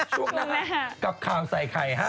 ช่วงหน้ากับข่าวใส่ไข่ฮะ